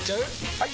・はい！